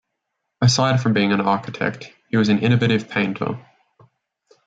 Aside from being an architect, he was an innovative painter.